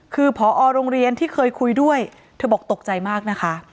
คือพอโรงเรียนที่เคยคุยด้วยเธอบอกตกใจมากนะคะ